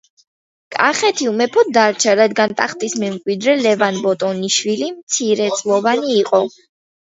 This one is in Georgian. კახეთი უმეფოდ დარჩა, რადგან ტახტის მემკვიდრე, ლევან ბატონიშვილი მცირეწლოვანი იყო.